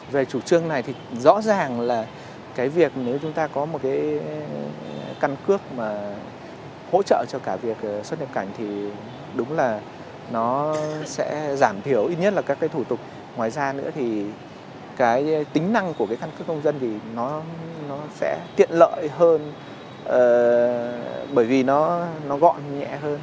về chủ trương này thì rõ ràng là cái việc nếu chúng ta có một cái căn cước mà hỗ trợ cho cả việc xuất nhập cảnh thì đúng là nó sẽ giảm thiểu ít nhất là các cái thủ tục ngoài ra nữa thì cái tính năng của cái căn cước công dân thì nó sẽ tiện lợi hơn bởi vì nó gọn nhẹ hơn